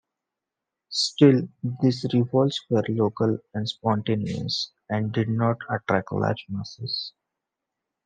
Still, these revolts were local and spontaneous and did not attract large masses.